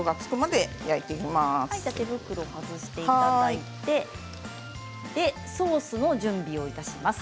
では手袋を外していただいてソースの準備をいたします。